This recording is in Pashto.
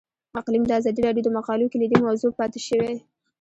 اقلیم د ازادي راډیو د مقالو کلیدي موضوع پاتې شوی.